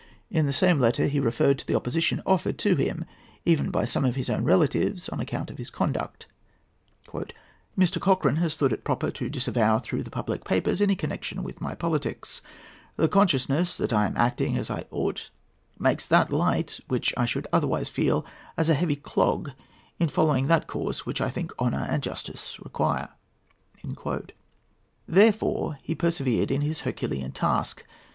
In the same letter he referred to the opposition offered to him, even by some of his own relatives, on account of his conduct. "Mr. Cochrane has thought proper to disavow, through the public papers, any connection with my politics. The consciousness that I am acting as I ought makes that light which I should otherwise feel as a heavy clog in following that course which I think honour and justice require." Therefore he persevered in his Herculean task.